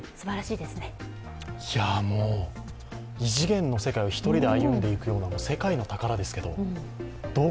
いや、もう、異次元の世界を一人で歩んでいくような世界の宝です。